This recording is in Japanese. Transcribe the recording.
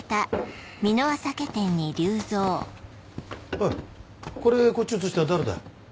おいこれこっち移したの誰だよ。